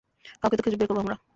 কাউকে তো খুঁজে বের করব আমরা।